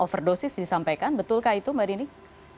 overdosis disampaikan betulkah itu mbak dini